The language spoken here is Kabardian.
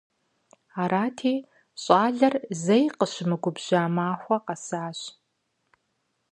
Арати, щӀалэр зэи къыщымыгубжьа махуэ къэсащ.